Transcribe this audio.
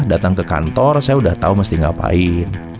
datang ke kantor saya udah tahu mesti ngapain